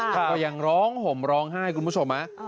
ก็ยังร้องห่มร้องไห้คุณผู้ชมนะ